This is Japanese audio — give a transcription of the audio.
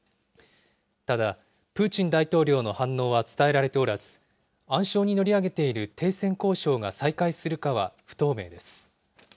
ただ、プーチン大統領の反応は伝えられておらず、暗礁に乗り上げている停戦交渉が再開するかは不透明です。